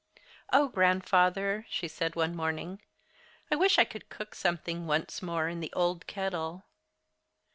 "O Grandfather," she said one morning, "I wish I could cook something once more in the old kettle."